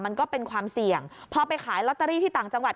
มันก็เป็นความเสี่ยงพอไปขายลอตเตอรี่ที่ต่างจังหวัด